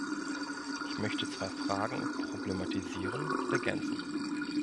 Ich möchte zwei Fragen problematisieren und ergänzen.